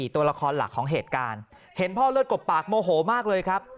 ตัวละครหลักของเหตุการณ์เห็นพ่อเลือดกบปากโมโหมากเลยครับ